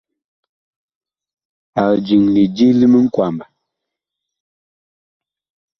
Ag diŋ lidi li miŋkwamba.